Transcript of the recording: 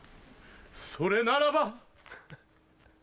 それならば